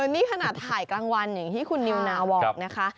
นี่ขนาดถ่ายกลางวันอย่างที่คุณนิวนาวบอกนะคะ